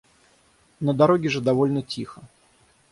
На дороге же довольно тихо.